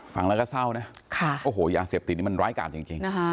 ฟังแล้วก็เศร้านะโอ้โหยาเสพติดนี่มันร้ายการจริง